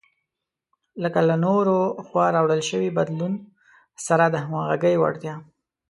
لکه له نورو لخوا راوړل شوي بدلون سره د همغږۍ وړتیا.